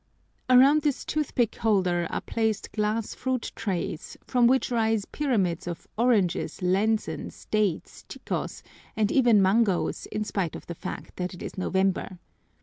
Around this toothpick holder are placed glass fruit trays from which rise pyramids of oranges, lansons, ates, chicos, and even mangos in spite of the fact that it is November.